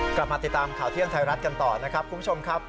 กลับมาติดตามข่าวเที่ยงไทยรัฐกันต่อนะครับคุณผู้ชมครับ